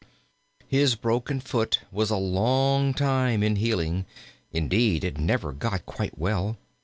His broken foot was a long time in healing; indeed, it never got quite well.